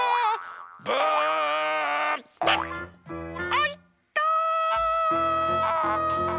あいった。